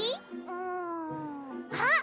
うんあっ！